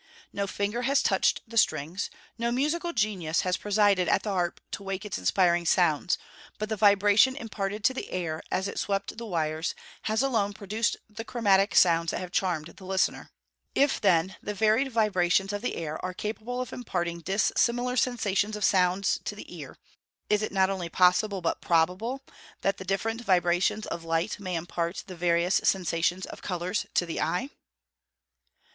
No finger has touched the strings; no musical genius has presided at the harp to wake its inspiring sounds; but the vibration imparted to the air, as it swept the wires, has alone produced the chromatic sounds that have charmed the listener. If, then, the varied vibrations of the air are capable of imparting dissimilar sensations of sounds to the ear, is it not only possible, but probable, that the different vibrations of light may impart the various sensations of colours to the eye?